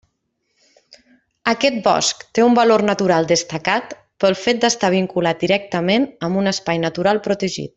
Aquest bosc té un valor natural destacat pel fet d'estar vinculat directament amb un espai natural protegit.